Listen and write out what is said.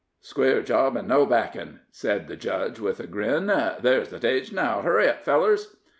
"Square job, and no backin'," said the judge, with a grin. "There's the stage now hurry up, fellers!"